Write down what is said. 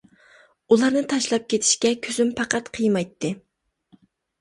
ئۇلارنى تاشلاپ كېتىشكە كۆزۈم پەقەت قىيمايتتى.